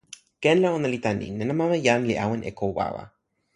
ken la ona li tan ni: nena mama jan li awen e ko wawa.